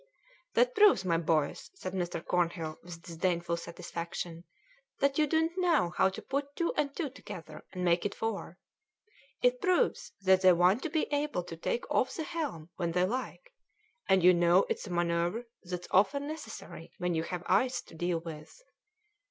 "That proves, my boys," said Mr. Cornhill with disdainful satisfaction, "that you don't know how to put two and two together and make it four; it proves that they want to be able to take off the helm when they like, and you know it's a manoeuvre that's often necessary when you have ice to deal with."